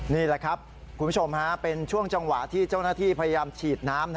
นี่แหละครับคุณผู้ชมเป็นช่วงจังหวะที่เจ้าหน้าที่พยายามฉีดน้ำ